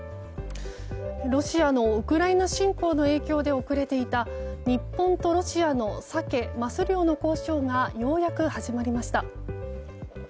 ロシアのウクライナ侵攻の影響で遅れていた日本とロシアのサケ・マス漁の交渉がようやく始まりました。